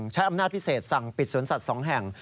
ใช้อำนาจพิเศษสั่งปิดสวนสัตว์๒แห่ง